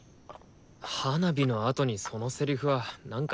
花火のあとにそのセリフはなんか違くねえ？